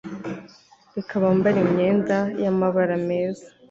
Reka bambare imyenda yamabara meza